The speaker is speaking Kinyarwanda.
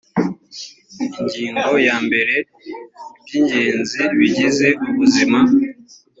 ingingo yambere iby ingenzi bigize ubuzima